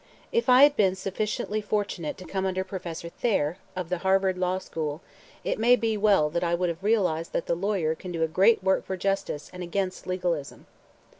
If I had been sufficiently fortunate to come under Professor Thayer, of the Harvard Law School, it may well be that I would have realized that the lawyer can do a great work for justice and against legalism.